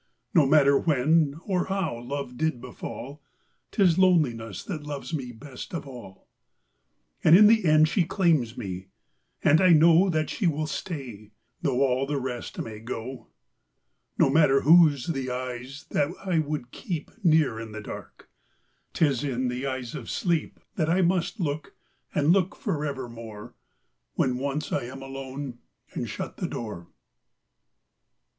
No matter when or how love did befall,’Tis Loneliness that loves me best of all, And in the end she claims me, and I knowThat she will stay, though all the rest may go.No matter whose the eyes that I would keepNear in the dark, ’tis in the eyes of SleepThat I must look and look forever more, When once I am alone, and shut the door.